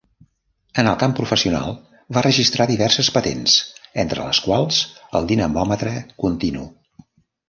En el camp professional va registrar diverses patents, entre les quals el dinamòmetre continu.